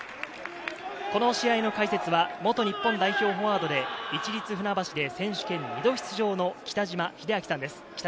この試合の解説は元日本代表フォワードで市立船橋で選手権２度出場の北嶋秀朗さんです。